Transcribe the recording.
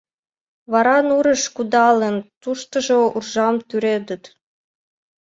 Вара нурыш кудалын — туштыжо уржам тӱредыт.